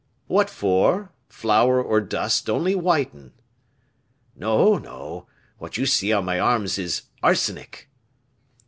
"What for? Flour or dust only whiten." "No, no; what you see on my arms is arsenic."